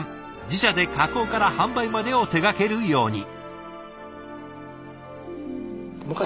自社で加工から販売までを手がけるように。